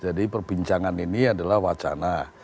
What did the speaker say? jadi perbincangan ini adalah wacana